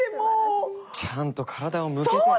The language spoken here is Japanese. ちゃんと体を向けて。